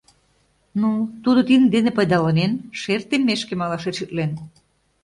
Ну, тудо тидын дене пайдаланен — шер теммешке малаш решитлен.